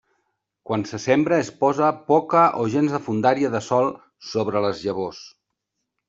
Quan se sembra es posa poca o gens de fondària de sòl sobre les llavors.